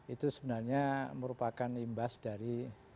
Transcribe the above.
itu sebenarnya merupakan imbas dari